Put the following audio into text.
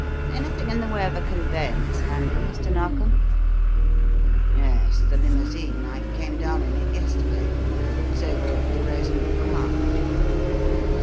Anything in the way of a conveyance handy, Mr. Narkom?" "Yes the limousine. I came down in it yesterday. It's over at the Rose and Crown."